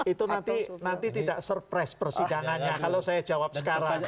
itu nanti tidak surprise persidangannya kalau saya jawab sekarang